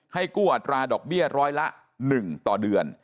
กู้อัตราดอกเบี้ยร้อยละ๑ต่อเดือน